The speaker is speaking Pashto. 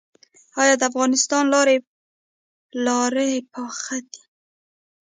آیا د افغانستان لارې پاخه دي؟